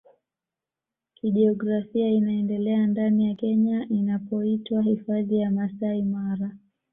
kijiografia inaendelea ndani ya Kenya inapoitwa Hifadhi ya Masai Mara